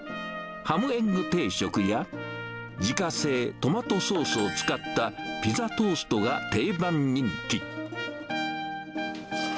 ハムエッグ定食や、自家製トマトソースを使ったピザトーストが定番人気。